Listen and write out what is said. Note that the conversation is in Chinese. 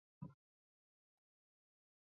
米村的总面积为平方公里。